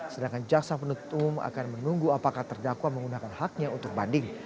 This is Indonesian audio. sedangkan jaksa penutup umum akan menunggu apakah terdakwa menggunakan haknya untuk banding